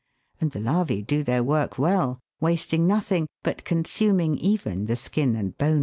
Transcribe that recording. And the larvae do their work well, wasting nothing, but consuming even the skin and bones.